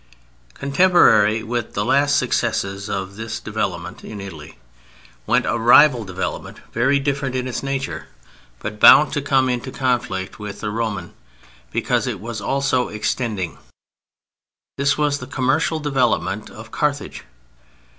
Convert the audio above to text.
Contemporary with the last successes of this development in Italy went a rival development very different in its nature, but bound to come into conflict with the Roman because it also was extending. This was the commercial development of Carthage.